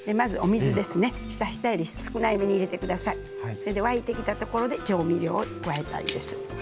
それで沸いてきたところで調味料を加えたいです。